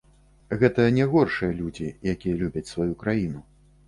Гэта не горшыя людзі, якія любяць сваю краіну.